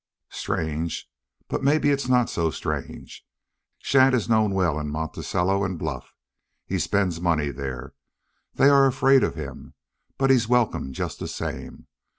"Strange. But maybe it's not so strange. Shadd is known well in Monticello and Bluff. He spends money there. They are afraid of him, but he's welcome just the same.